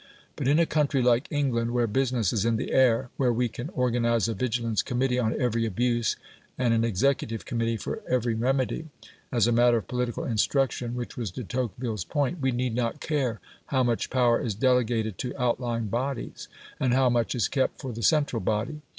But in a country like England where business is in the air, where we can organise a vigilance committee on every abuse and an executive committee for every remedy as a matter of political instruction, which was De Tocqueville's point we need not care how much power is delegated to outlying bodies, and how much is kept for the central body.